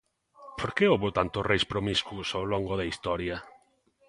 Por que houbo tantos reis promiscuos ao longo da historia?